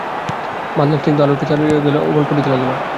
বাদলার স্নিগ্ধ আলোকে চারু লিখিয়া গেল, অমল পড়িতে লাগিল।